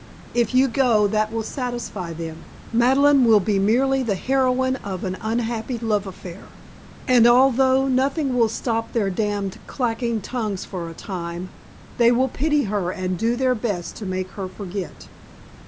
If you go, that will satisfy them. Madeleine will be merely the heroine of an unhappy love affair, and although nothing will stop their damned clacking tongues for a time, they will pity her and do their best to make her forget."